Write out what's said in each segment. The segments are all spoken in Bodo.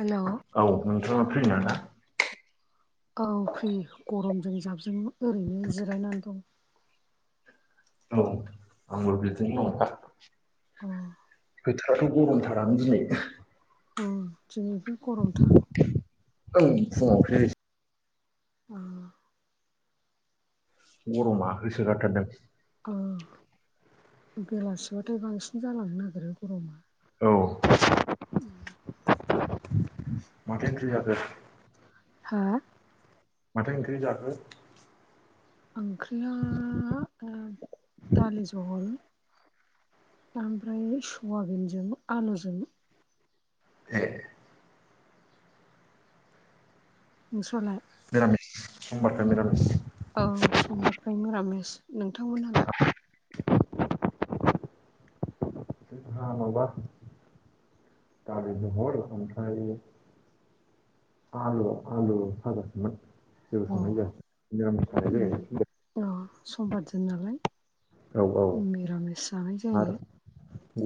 हेलौ औ नोंथाङा फ्रिना ना? दा? औ फ्रि गरमजों जाबजों ओरैनो जिरायनानै दं औ आंबो बिदिनो दं दा औ बोथोराथ' गमथारानो दिनै औ दिनैनिफ्राय गरमथार ओं फुङाव ख्रिस औ गरमा होसोगारथारदों औ बेलासिबाथाय बांसिन जालांनो नागिरो गरमा औ माथो ओंख्रि जाखो हा माथो ओंख्रि जाखो ओंख्रिया ओ दालि जहल ओमफ्राय सयाबिनजों आलुजों ए नोंस्रालाय मिरामिस समबारखाय मिरामिस औ समबारखाय मिरामिस नोंथांमोनहालाय ह माबा दालि जहल ओमफ्राय आलु आलु फाजासोमोन जेबो अ संनाय जायासै निरामिस उम जानाय अ समबार जायो दिन नालाय औ औ मिरामिस जानाय आरो जायो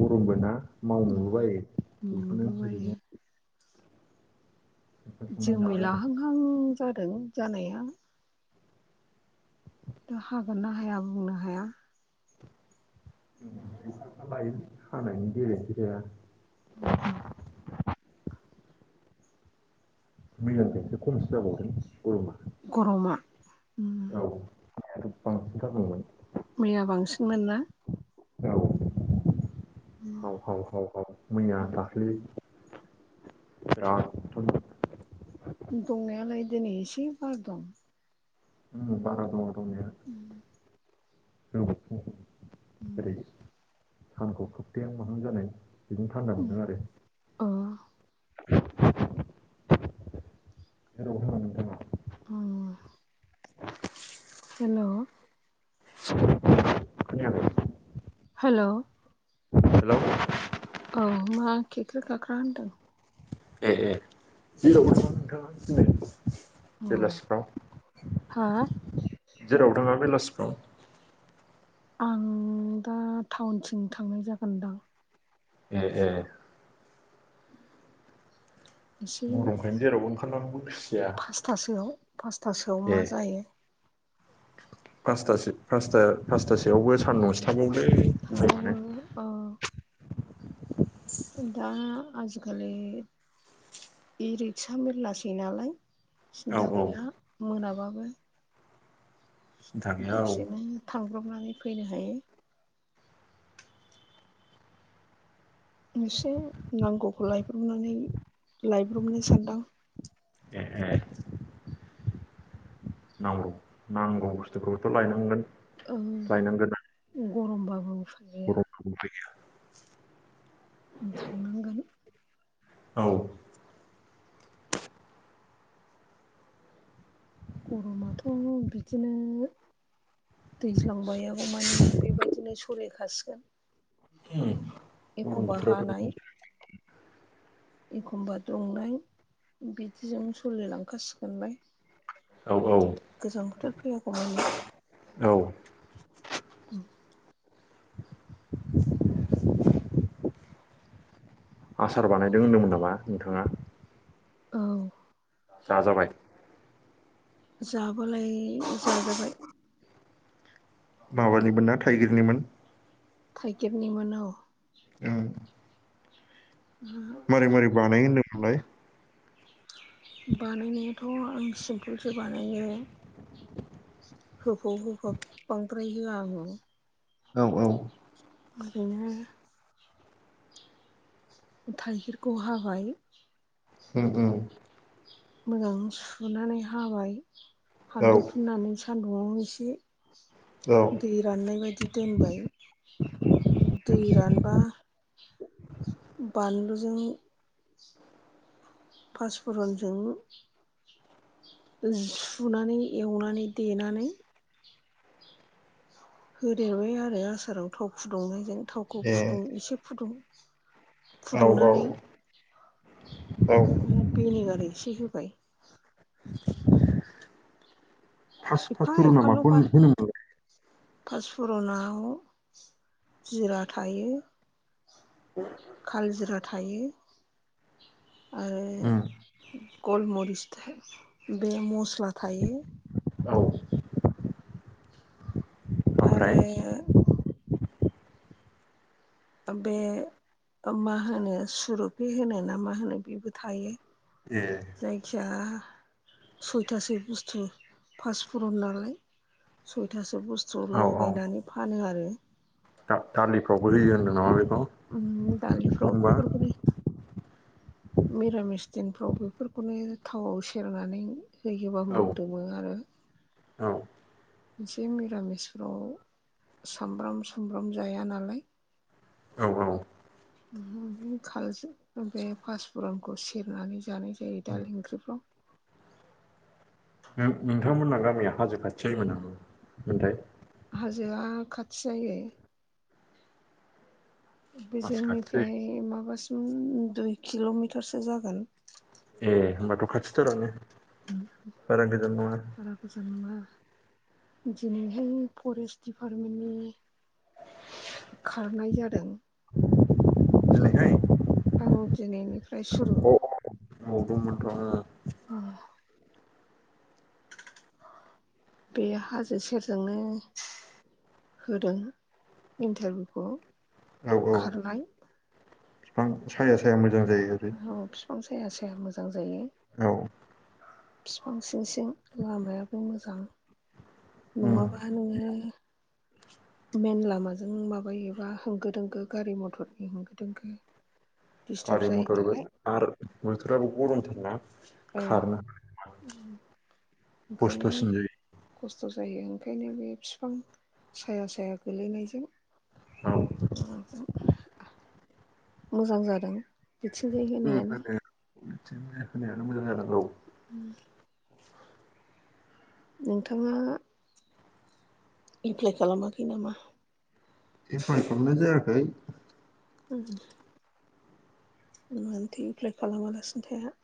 गरमबो ना उम मावनोबो बायो बेखौनो मोननोबो बायो ओरैनो ओंखाम संनानै जोमै जाबाय आरो लाहांहां जादों जानाया ' हागोन ना हाया बुंनो हाया बाइ हानायनि गेरेन्थि जाया ह मैयानिफ्राय खमसो जाबावदों गरमा आरो बांसिन जाबावगोन मैया बांसिनमोन ना औ हाव हाव हाव मैया दाखलि बिराद दंनायालाय दिनै एसे बार दं उम बारा दङ दंनाया उम जों ओरै सानखौ खोबथायाव माहां जानाय बेजों थान्दा मोनदों आरो अ [unintelligible] औ। हेल'। [inaudible] हेल'। हेल'। औ मा खेख्रि खाख्रा होनदों। ए ए हेल नोंथाङा दि बेलासिफ्राव हो जेराव थाङा बेलासिफ्राव। आं दा टाउनथिं थांनाय जागोनदां। ए ए गरमखायनो जेरावबो ओंखारनो हो। फासथासोआव-फासथासोआव मा जायो। फासथासो-फासथा फासथासोआवबो सानदुंसो थांबावगोनदां। थाबावो औव। दा आजिखालि। इ रिक्सा मेरलासै नालाय औ सिनथा औ गैला मोनाबाबो। सिन्था गैया औ दसेनो थांब्रबनानै फैनो हायो। एसे नांगौखौ लायब्रबनानै लायब्रबनो सानदां। ए-ए। नांगौ नांगौ बुस्थुफोरखौफोरखौथ' लायनांगोन। ओ गरमबाबो। उफाय गैया गरमबाबो उफाइगैया। थांनांगोन। औ गरमाथ' बिदिनो- दैज्लांबायागौ मानि बेबायदिनो सोलिखासिगोन। गरम एखमबा हानाय। बोथोरावथ' एखमबा दुंनाय बिदिजों सोलिलांखासिगोनलाय। औ औ गोजां बोथोर फैयागौ मानानि। औ उ आसार बानायदों होनदोंमोन नामा नोंथाङा। औ जाजाबाय- जाबालाय जाजाबाय। माबानिमोन ना थाइगिरनिमोन? थाइगिरनिमोन औ। औ मारै-मारै बानायो होनदोंमोनलाय। बानायनायाथ' आं सिम्पोलसो बानायो। होफब-होफाब बांद्राय होआ आङो। औ-औ। बिदिनो- थाइगिरखौ हाबाय। उम-उम। मोजां सुनानै हाबाय हालदै फुननानै सान्दुंआव औ एसे- दै राननाय बादि दोनबाय। दै रानबा बानलुजों- फासफुरनजों- सुनानै एवनानै देनानै- होदेरबाय आरो आसाराव थाव फुदुंनायजों थावखौ ए फुदुं एसे फुदुं- औ औ फुदुंनानै औ भिनिगार एसे होबाय। फास-फासफुरना माखौ होनो होनो‌ मोनलाय। फासफुरनाव जिरा थायो। काल जिरा थायो आरो उम गलमरिस थो बे मस्ला थायो। औ। ओमफ्राय आरो बे मा होनो सुरुफि होनो ना मा होनो बेबो थायो। ए जायखिया सयथासो बुस्थु पासफुरन नालाय। सयथासो बुस्थु औ औ लगायनानै फानो आरो। दा दालिफ्रावबो होयो होनदों नामा बे उम दालिफ्राव बेफोरखौनो मिरामिस स्टेनफ्राव बेफोरखौनो थावआव सेरनानै होयोबा औ मोदोमो आरो। [inaudible] औ एसे मिरामिसाव सामब्राम सुमब्राम जाया नालाय। औ औ बे फासफुरनखौ सेरनानै जानाय जायो दालि ओंख्रिफ्राव [inaudible] नोंथां हाजो खाथि जायोमोन नामा मोनथाय। हाजोआ खाथि जायो। बे मासि खाथि जायो जोंनिफ्राय माबासिम दुइ किल'मिटारसो जागोन। ए होनोमबाथ' खाथिथारानो गोजान नङा बारा गोजान नङा। दिनैहाय फरेस्ट दिपार्टमेन्टनि खारनाय जादों। दिनैहाय आं दिनैनिफ्राय सुरु औ दंमोनथ' औ बे हाजो सेरजोंनो होदों इन्टारभिउखौ औ खारनाय। बिफां साया साया मोजां जायो आरो। बिफां साया साया मोजां जायो। बिफां सिं सिं लामायाबो मोजां। उम नङाबा नोङो मेन लामाजों माबायोबा होंगो दोंगो गारि मथरनि होंगो दोंगो।। दिस्टार्ब गारि जायो मथरबो नालाय आरो बोथोराबो गरम थाराना औ खारनो ह ओंखायनो खस्थ'सिन जायो। खस्थ' जायो ओंखायनो बे बिफां साया साया गोलैनायजों [inaudible] औ मोजां जादों बिथिंजाय होनायानो। [inaudible] उम नोंथाङा एप्लाइ खालामाखै नामा? आं खालामनाय जायाखै। उम मानोथो एप्लाइ खालामालासिनो थाया?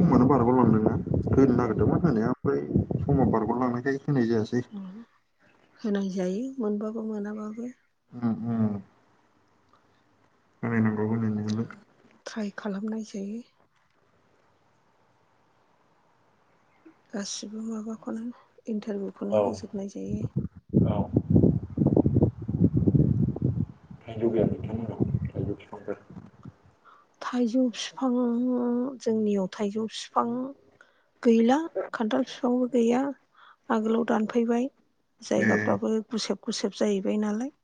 समानो बारग'लांदों नना होनो नागिरदोंमोन अ होनाया ओमफ्राय समाव बारग'लांनायखाय होनाय जायासै। होनाय जायो मोनबाबो मोनाबाबो। उम उम होनायनांगौ होनायनायालाय ट्राइ खालामनाय जायो। गासिबो माबाखौनो इन्टारभिउखौनो औ होजोबनाय जायो। औ थाइजौ गैया नोंथांमोननाव थाइजौ बिफांफोर थाइजौ बिफांआ जोंनियाव थाइजौ बिफाङा गैला खान्थाल फिफांबो गैया। आगोलाव दानफैबाय ए जायगाफ्राबो गुसेब गुसेब जाहैबाय नालाय। [inaudible]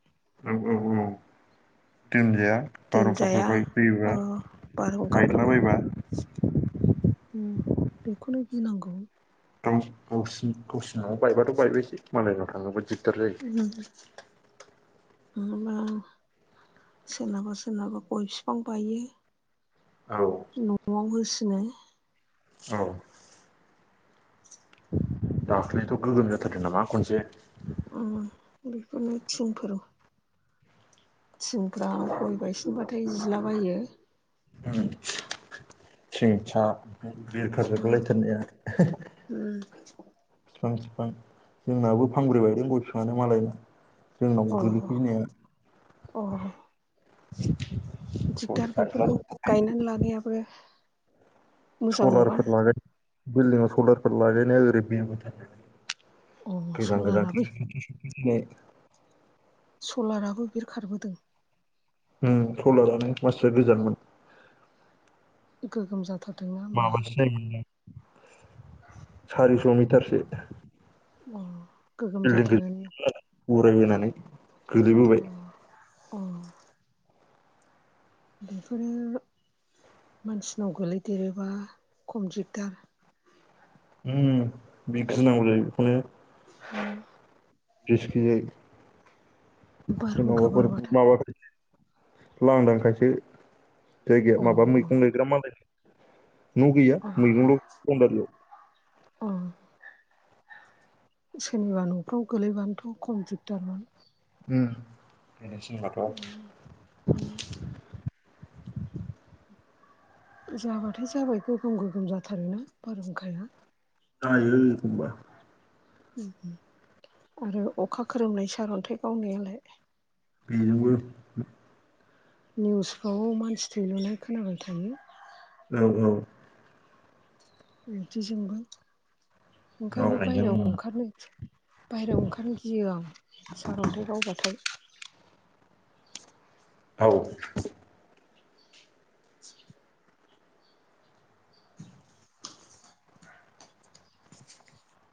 दोन्जाया। बारहुंखाफोर दोनजाया अ फैयोबा मायद्ला बारहुंखाफोरखौ बायबा उम बेखौनो गिनांगौ। औ गावसि गावसिनि न'आव बायबाथ' बायबायसै मालायनाव थाङोबा दिगम्बर उम। नङाबा सोरनाबा सोरनाबा गय बिफां बायो। औ न'आव होसिनो औ दाख्लाथ' गोगोम जाथारदों नामा खनसे। उम बेफोरनो थिंफोर थिंफ्रा गय बायसिनबाथाय जिलाबायो। थिंसाब बिरखारजोबबोलायथारनाया। बिफां बिफां जोंनाबो फानब्रै बायदों गय फिफाङानो मालायना जोंनाव ओ गोल्लैफैनाया। अ [inaudible] दिगदार बेफोरखौ सलारफोर गायनानै लानायाबो। मोजां नङा सलारफोर लागाय बिल्डिंव सलारफोर लागायनाया ओरै गैया माथो? अ गोजान गोजान सलाराबो सलाराबो बिरखारबोदों उम सलारानो मानसिया गोजानमोन। गोगोम जाथार माबासो जायोमोनो सारिस' मिटारसो। अ गोगोम जाथारोनो उराय बोनानै गोलैबोबाय। अ बेफोरो मानसिनाव गोलैदेरोबा खम दिगदार उम बिगिनांगौ जायो बेखौनो। उम रिस गियै बारहुंखा सोरनावबाफोर बारबाथाय माबाफोर लांदांखायसो अ जायगाया माबा मैगं लायग्रा मालाय न' गौया अ मैगंल'बारियाव अ सोरनिबा न'फ्राव गोलैबानोथ' कम्पिउटारमोन। उम गोलै सिनिबाथ' जाबाथाय जाबाय गोगोम गोगोम जाथारोना बारहुंखाया। जायो एखमबा उम आरो अखा खोरोमनाय सारन्थाइ गावनायालाय। बेजोंबो निउसफ्राव मानसि थैलुनाय खोनाबाय थायो। औ औ दि जोंबो ओंखायनो गावनायजों बायहेरायाव ओंखारनो बायहेरायाव ओंखारनो गियो आं सारन्थायाइ गावबाथाय औ [inaudible] [inaudible]